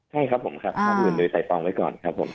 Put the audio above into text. ใช่ครับผมครับโดยจ่ายตองไว้ก่อนครับผม